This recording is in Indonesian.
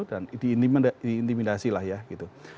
dan diintimidasi lah ya gitu